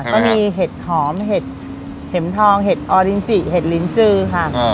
ก็มีเห็ดหอมเห็ดเห็มทองเห็ดออรินจิเห็ดลิ้นจือค่ะ